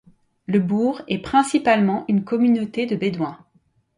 Le bourg est principalement une communauté de Bédouins.